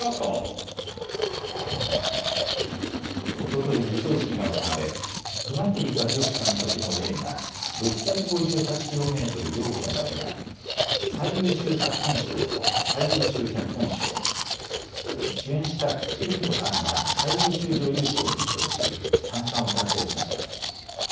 おととい授賞式が行われ熊切和嘉監督の映画、６５８ｋｍ、陽子の旅が最優秀作品賞と最優秀脚本賞、それに主演した菊地凛子さんが最優秀女優賞を受賞し３冠を達成しました。